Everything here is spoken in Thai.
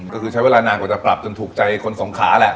ก็คือใช้เวลานานกว่าจะปรับจนถูกใจคนสงขาแหละ